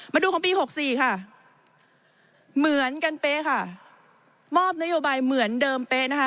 มาดูของปี๖๔ค่ะเหมือนกันเป๊ะค่ะมอบนโยบายเหมือนเดิมเป๊ะนะคะ